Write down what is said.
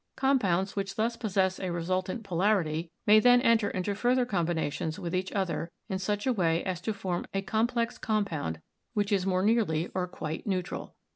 Compounds which thus possess a resultant polarity may then enter into further combina tions with each other, in such a way as to form a com plex compound which is more nearly or quite neutral.